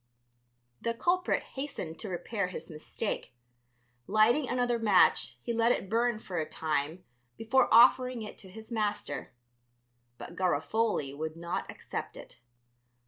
The culprit hastened to repair his mistake; lighting another match he let it burn for a time before offering it to his master. But Garofoli would not accept it.